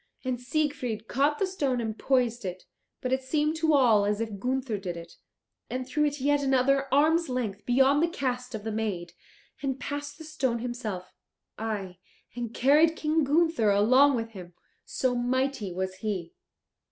And Siegfried caught the stone and poised it but it seemed to all as if Gunther did it and threw it yet another arm's length beyond the cast of the maid, and passed the stone himself, aye, and carried King Gunther along with him, so mighty was he!